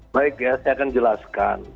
baik ya saya akan jelaskan